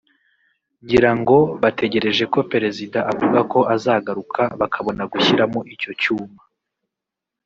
ngira ngo bategereje ko Perezida avuga ko azagaruka bakabona gushyiramo icyo cyuma